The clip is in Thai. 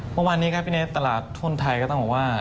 เมื่อวานนี้ครับพี่เนสตลาดทุนไทยก็ต้องบอกว่า